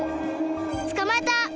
つかまえた！